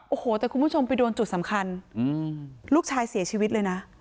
โอ้โหแต่คุณผู้ชมไปโดนจุดสำคัญลูกชายเสียชีวิตเลยนะ